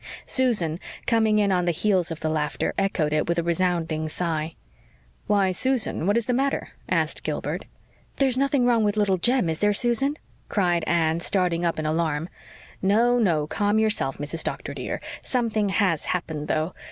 Susan, coming in on the heels of the laughter, echoed it with a resounding sigh. "Why, Susan, what is the matter?" asked Gilbert. "There's nothing wrong with little Jem, is there, Susan?" cried Anne, starting up in alarm. "No, no, calm yourself, Mrs. Doctor, dear. Something has happened, though.